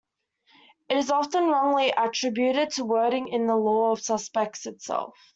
It is often wrongly attributed to wording in the "Law of Suspects" itself.